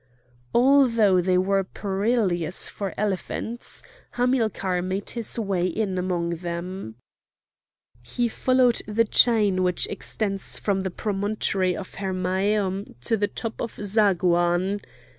Although they were perilous for elephants, Hamilcar made his way in among them. He followed the long chain which extends from the promontory of Hermæum to the top of Zagouan.